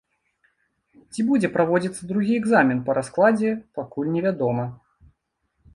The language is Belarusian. Ці будзе праводзіцца другі экзамен па раскладзе, пакуль невядома.